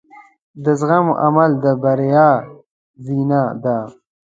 د زغم عمل د بریا زینه ده.